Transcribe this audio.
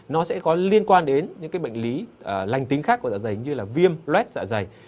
nó sẽ có liên quan đến những cái bệnh lý lành tính khác của dạ dày như là viêm luet dạ dày